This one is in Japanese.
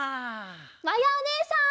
まやおねえさん！